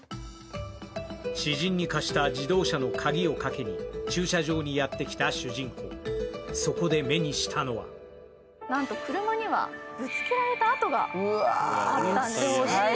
知人に貸した自動車の鍵をかけに駐車場にやって来た主人公、そこで目にしたのはなんと車にはぶつけられたあとがあったんです。